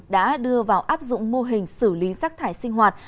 đã đưa vào áp dụng mô hình xử lý rác thải sinh hoạt